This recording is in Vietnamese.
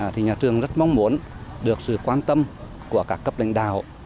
thì nhà trường rất mong muốn được sự quan tâm của các cấp lãnh đạo